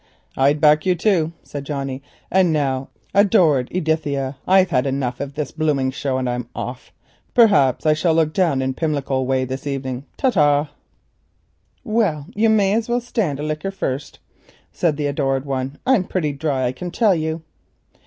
"I'd back you to," said Johnnie. "And now, adored Edithia, I've had enough of this blooming show, and I'm off. Perhaps I shall look in down Rupert Street way this evening. Ta ta." "Well, you may as well stand a drink first," said the adored one. "I'm pretty dry, I can tell you."